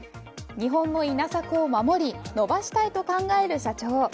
日本の稲作を守り伸ばしたいと考える社長。